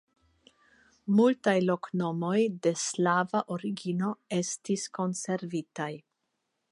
Multaj loknomoj de slava origino estis konservitaj.